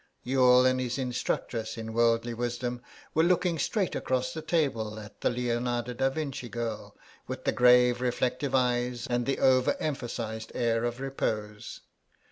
Youghal and his instructress in worldly wisdom were looking straight across the table at the Leonardo da Vinci girl with the grave reflective eyes and the over emphasised air of repose.